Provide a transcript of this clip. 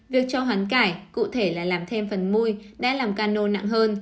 việc cho hoán cải cụ thể là làm thêm phần mui đã làm cano nặng hơn